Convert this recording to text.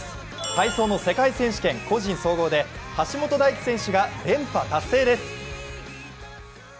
体操の世界選手権、個人総合で橋本大輝選手が連覇達成です。